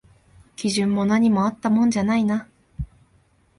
基準も何もあったもんじゃないな